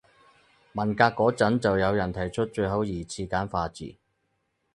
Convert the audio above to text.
文革嗰陣就有人提出最好二次簡化字